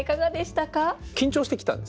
緊張して来たんですね。